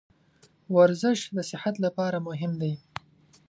ورزش د صحت لپاره مهم دی.